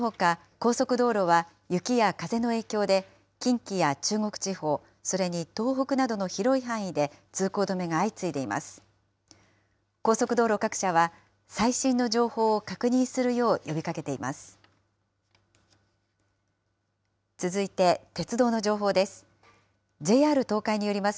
高速道路各社は最新の情報を確認するよう呼びかけています。